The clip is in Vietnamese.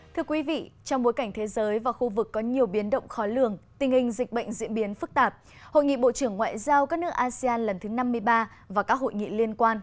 thưa quý vị trong bối cảnh thế giới và khu vực có nhiều biến động khó lường tình hình dịch bệnh diễn biến phức tạp hội nghị bộ trưởng ngoại giao các nước asean lần thứ năm mươi ba và các hội nghị liên quan